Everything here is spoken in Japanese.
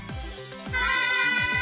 はい！